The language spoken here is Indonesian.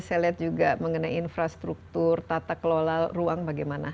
saya lihat juga mengenai infrastruktur tata kelola ruang bagaimana